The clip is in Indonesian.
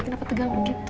kenapa tegang begitu